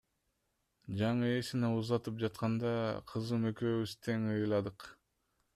Жаңы ээсине узатып жатканда, кызым экөөбүз тең ыйладык.